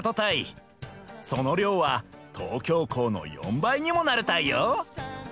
その量は東京港の４倍にもなるタイよ。